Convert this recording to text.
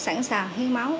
sẵn sàng hiến máu